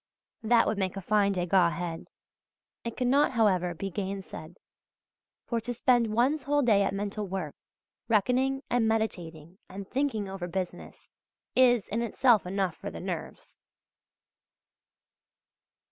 That would make a fine Degas head. It cannot, however, be gainsaid; for to spend one's whole day at mental work, reckoning and meditating and thinking over business, is in itself enough for the nerves.